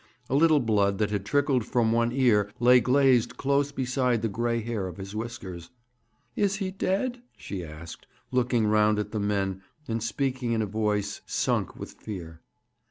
A little blood that had trickled from one ear lay glazed close beside the gray hair of his whiskers. 'Is he dead?' she asked, looking round at the men, and speaking in a voice sunk with fear.